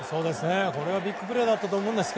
これはビッグプレーだったと思います。